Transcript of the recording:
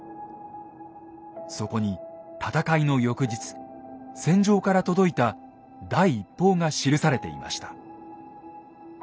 そこに戦いの翌日戦場から届いた第一報が記されていました。